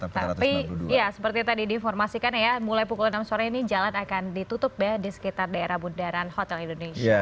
tapi ya seperti tadi diinformasikan ya mulai pukul enam sore ini jalan akan ditutup ya di sekitar daerah bundaran hotel indonesia